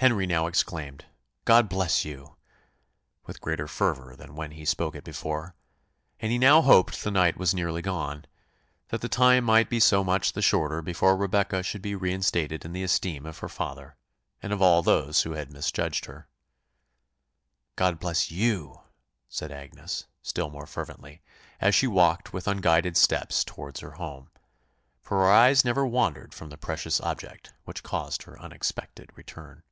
Henry now exclaimed, "God bless you!" with greater fervour than when he spoke it before; and he now hoped the night was nearly gone, that the time might be so much the shorter before Rebecca should be reinstated in the esteem of her father, and of all those who had misjudged her. "God bless you!" said Agnes, still more fervently, as she walked with unguided steps towards her home; for her eyes never wandered from the precious object which caused her unexpected return.